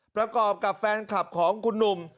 ประกอบกับแฟนคลับของคุณหนุ่ม